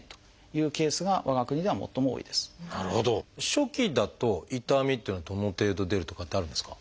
初期だと痛みっていうのはどの程度出るとかってあるんですか？